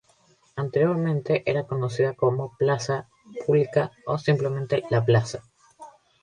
Anteriormente era conocida como plaza pública o simplemente "la plaza".